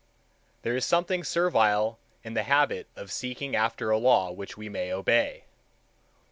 There is something servile in the habit of seeking after a law which we may obey.